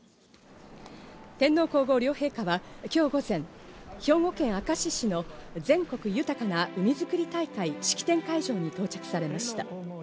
天皇皇后両陛下はきょう午前、兵庫県明石市の全国豊かな海づくり大会、式典会場に到着されました。